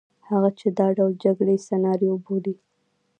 هغه چې دا ډول جګړې سناریو بولي.